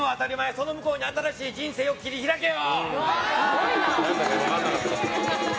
その向こうに新しい人生を切り開けよ！